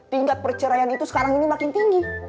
tingkat perceraian itu sekarang ini makin tinggi